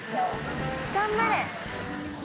頑張れ。